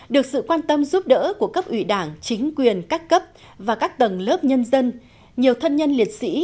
được sự quan tâm giúp đỡ của cấp ủy đảng chính quyền các cấp và các tầng lớp nhân dân nhiều thân nhân liệt sĩ